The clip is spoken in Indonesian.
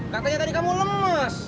katanya tadi kamu lemes